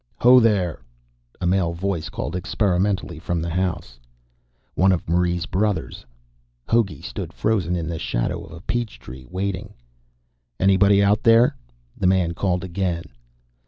"Ho there!" a male voice called experimentally from the house. One of Marie's brothers. Hogey stood frozen in the shadow of a peach tree, waiting. "Anybody out there?" the man called again.